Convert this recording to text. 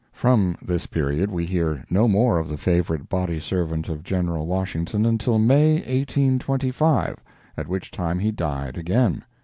From this period we hear no more of the favorite body servant of General Washington until May, 1825, at which time he died again.